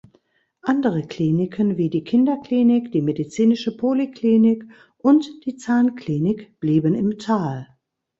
Andere Kliniken wie die Kinderklinik, die Medizinische Poliklinik und die Zahnklinik blieben im Tal.